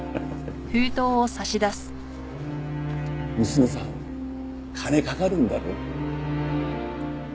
娘さん金かかるんだろ？